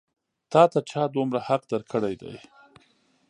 تا ته چا دومره حق درکړی دی؟